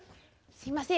すいません